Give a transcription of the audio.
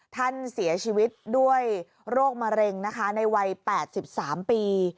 ท่านเสียชีวิตด้วยโรคมะเร็งนะคะในวัย๘๓ปี